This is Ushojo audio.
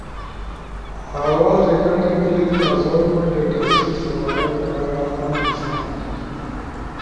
آواز ریکارڈنگ کلپس آسو اوپن ڈیتا سیٹ سپارونو کارا اہم حصہ ہنی،